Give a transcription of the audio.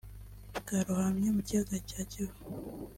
bwarohamye mu Kiyaga cya Kivu